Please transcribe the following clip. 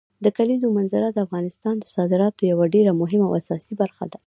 د کلیزو منظره د افغانستان د صادراتو یوه ډېره مهمه او اساسي برخه ده.